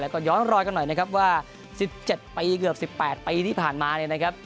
แล้วก็ย้อนรอยกันหน่อยนะครับว่า๑๗ปีเกือบ๑๘ปีที่ผ่านมาเนี่ยนะครับ